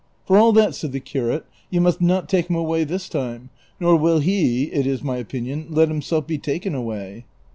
" For all that," said the curate, " you must not take hini away this time, nor will he, it is my opinion, let himself be taken away."